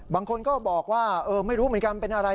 บางคนก็บอกว่าไม่รู้เหมือนกันเป็นอะไร